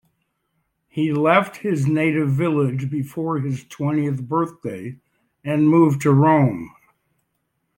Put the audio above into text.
He left his native village before his twentieth birthday and moved to Rome.